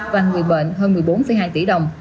và người bệnh hơn một mươi bốn hai tỷ đồng